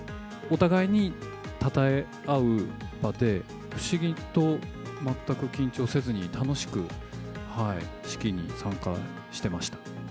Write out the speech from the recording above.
お互いにたたえ合う場で、不思議と全く緊張せずに、楽しく式に参加してました。